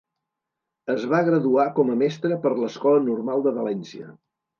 Es va graduar com a mestre per l'Escola Normal de València.